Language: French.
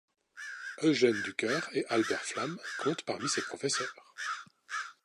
Eugen Dücker et Albert Flamm comptent parmi ses professeurs.